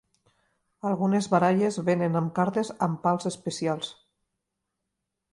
Algunes baralles vénen amb cartes amb pals especials.